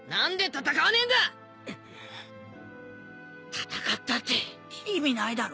戦ったって意味ないだろ！